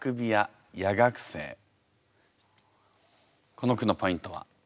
この句のポイントは？